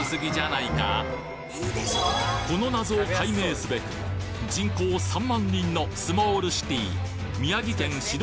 この謎を解明すべく人口３万人のスモールシティ